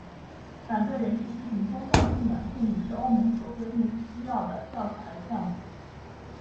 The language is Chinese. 反对人士批评宗教信仰并不是欧盟所规定需要调查的项目。